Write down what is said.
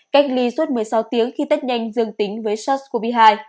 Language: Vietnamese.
cách ly suốt một mươi sáu tiếng khi test nhanh dương tính với sars cov hai